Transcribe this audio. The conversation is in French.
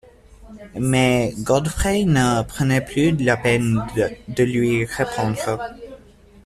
Mais Godfrey ne prenait plus la peine de lui répondre.